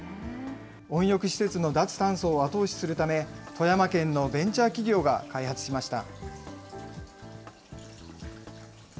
温浴施設の脱炭素を後押しするため、富山県のベンチャー企業が開発しました。